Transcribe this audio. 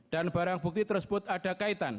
dan barang bukti tersebut ada kaitan